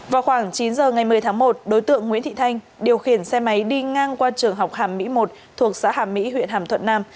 vào khoảng chín giờ ngày một mươi tháng một đối tượng nguyễn thị thanh điều khiển xe máy đi ngang qua trường học hàm mỹ một thuộc xã hàm mỹ huyện hàm thuận nam